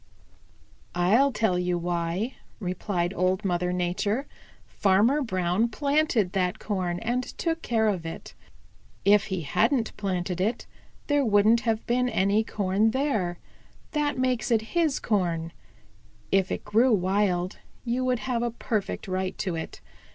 "I'll tell you why," replied Old Mother Nature. "Farmer Brown planted that corn and took care of it. If he hadn't planted it, there wouldn't have been any corn there. That makes it his corn. If it grew wild, you would have a perfect right to it.